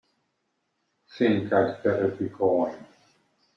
Think I'd better be going.